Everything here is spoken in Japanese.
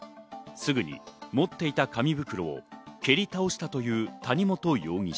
すぐに持っていた紙袋を蹴り倒したという谷本容疑者。